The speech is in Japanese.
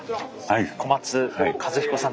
はい。